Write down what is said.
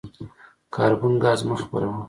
کاربن ګاز مه خپروه.